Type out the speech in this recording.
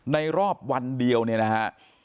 ในรอบวันเดียวเนี่ยนะฮะ